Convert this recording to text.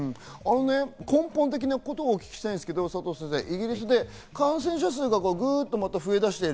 根本的なことを聞きたいんですけど佐藤先生、イギリスで感染者数がまたぐっと増えだしている。